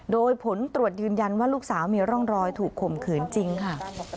โดยผลตรวจยืนยันว่าลูกสาวมีร่องรอยถูกข่มขืนจริงค่ะ